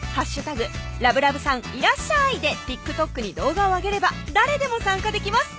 「＃ラブラブさんいらっしゃい！」でＴｉｋＴｏｋに動画をあげれば誰でも参加できます